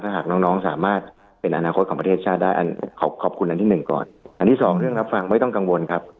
ถ้าน้องสามารถเป็นอนาคตของประเทศชาติได้ขอบคุณอันที่หนึ่งอันที่๒ฟังไม่ต้องกังวล